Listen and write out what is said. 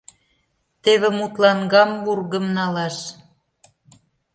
Теве, мутлан, Гамбургым налаш.